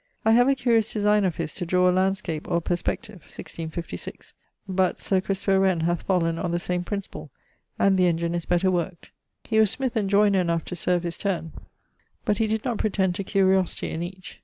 I have a curious designe of his to drawe a landskip or perspective (1656), but Sir Christopher Wren hath fallen on the same principle, and the engine is better work't. He was smyth and joyner enough to serve his turne, but he did not pretend to curiosity in each.